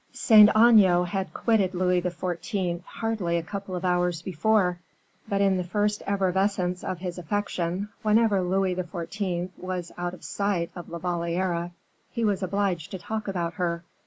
Saint Aignan had quitted Louis XIV. hardly a couple of hours before; but in the first effervescence of his affection, whenever Louis XIV. was out of sight of La Valliere, he was obliged to talk about her.